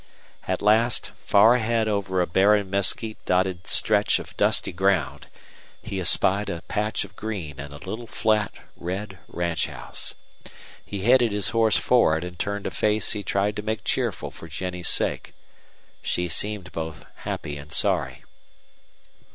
At last, far ahead over a barren mesquite dotted stretch of dusty ground, he espied a patch of green and a little flat, red ranch house. He headed his horse for it and turned a face he tried to make cheerful for Jennie's sake. She seemed both happy and sorry.